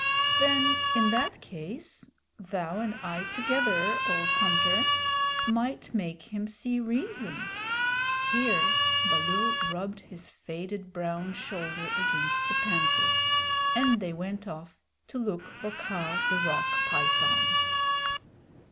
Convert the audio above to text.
"Then in that case, thou and I together, old hunter, might make him see reason." Here Baloo rubbed his faded brown shoulder against the Panther, and they went off to look for Kaa the Rock Python.